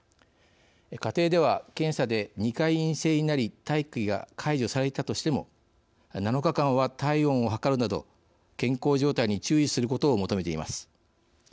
家庭では、検査で２回陰性になり待機が解除されたとしても７日間は体温を測るなど健康状態に注意することを求めています。